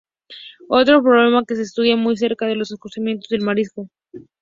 Otro problema que se estudia muy de cerca es el oscurecimiento del marisco.